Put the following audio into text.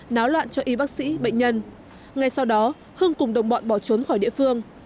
náo loạn cho y bác sĩ bệnh nhân ngay sau đó hưng cùng đồng bọn bỏ trốn khỏi địa phương